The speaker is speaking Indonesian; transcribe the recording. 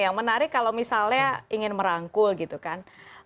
yang menarik kalau misalnya ingin merangkul gitu kan